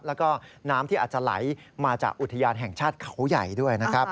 แล้วก็น้ำที่อาจจะไหลมาจากอุทยานแห่งชาติเขาใหญ่ด้วยนะครับ